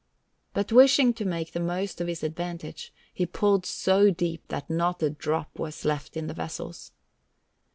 But wishing to make the most of his advantage, he pulled so deep that not a drop was left in the vessels.